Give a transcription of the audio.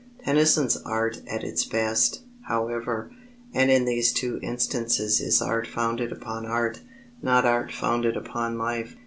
Tennyson's art at its best, however, and in these two instances is art founded upon art, not art founded upon life.